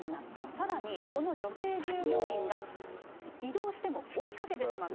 さらにこの女性従業員が、異動しても追いかけてしまった。